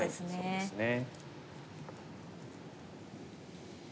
そうですね。